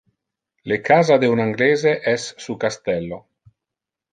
Le casa de un anglese es su castello.